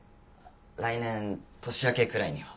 来年年明けくらいには。